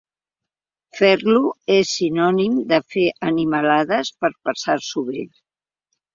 Fer-lo és sinònim de fer animalades per passar-s'ho bé.